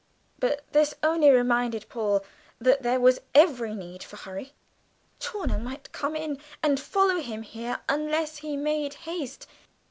But this only reminded Paul that there was every need for hurry Chawner might come in, and follow him here, unless he made haste.